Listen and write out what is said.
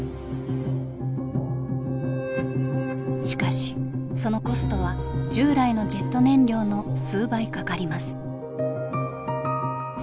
しかしそのコストは従来のジェット燃料の数倍かかります。